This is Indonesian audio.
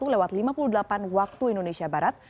lewat lima puluh delapan waktu indonesia barat